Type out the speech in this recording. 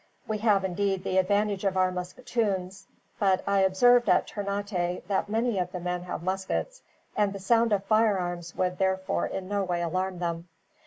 We have, indeed, the advantage of our musketoons; but I observed at Ternate that many of the men have muskets, and the sound of firearms would therefore in no way alarm them.